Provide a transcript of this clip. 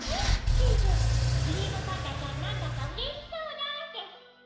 チーズ「クリームパンダちゃんなんだかうれしそうだ」ですって。